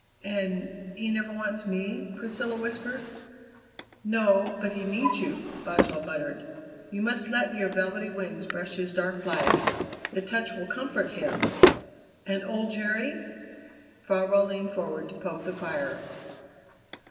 "And he never wants me?" Priscilla whispered. "No; but he needs you!" Boswell muttered. "You must let your velvety wings brush his dark life; the touch will comfort him." "And old Jerry?" Farwell leaned forward to poke the fire.